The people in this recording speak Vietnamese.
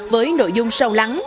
với nội dung sâu lắng